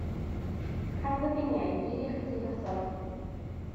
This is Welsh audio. Cafodd y biniau i gyd eu chwythu drosodd.